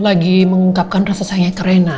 lagi mengungkapkan rasa sayangnya ke rena